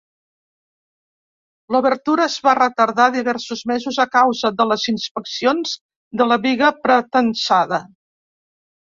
L'obertura es va retardar diversos mesos a causa de les "inspeccions de la biga pretensada".